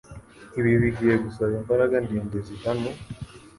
Ibi bigiye gusaba imbaraga ndende zihamye.